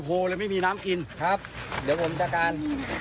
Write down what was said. กลับขึ้น